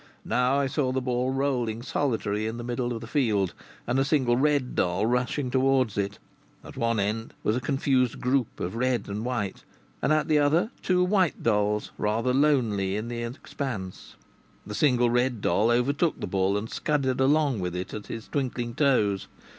Now I saw the ball rolling solitary in the middle of the field, and a single red doll racing towards it; at one end was a confused group of red and white, and at the other two white dolls, rather lonely in the expanse. The single red doll overtook the ball and scudded along with it at his twinkling toes.